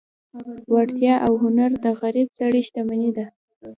وړتیا او هنر د غریب سړي شتمني ده.